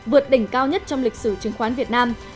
vượt đỉnh cao nhất trong lịch sử chứng khoán việt nam